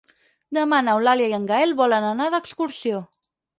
Demà n'Eulàlia i en Gaël volen anar d'excursió.